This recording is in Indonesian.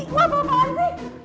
wah apaan sih